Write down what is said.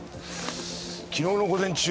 昨日の午前中